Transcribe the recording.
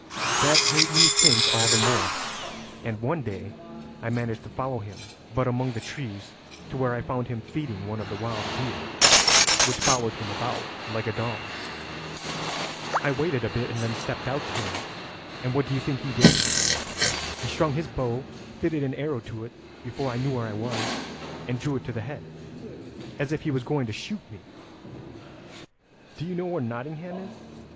"That made me think all the more, and one day I managed to follow him but among the trees to where I found him feeding one of the wild deer, which followed him about like a dog." "I waited a bit, and then stepped out to him, and what do you think he did? He strung his bow, fitted an arrow to it before I knew where I was, and drew it to the head as if he was going to shoot me. 'Do you know where Nottingham is?'